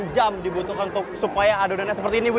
delapan jam dibutuhkan supaya adonannya seperti ini bu ya